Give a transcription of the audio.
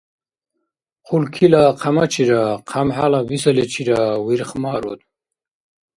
Хъулкила хъямачира хъямхӀяла бисаличира вирхмаруд.